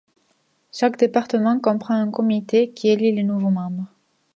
Chaque département comprend un comité qui élit les nouveaux membres.